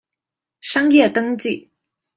商業登記